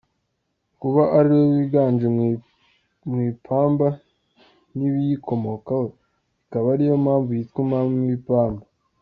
Kuba ariwe wiganje mu ipamba n’ibiyikomokaho ikaba ariyo mpamvu yitwa umwami w’ipamba.